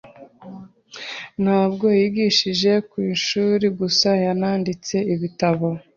Ntabwo yigishije ku ishuri gusa, yananditse ibitabo.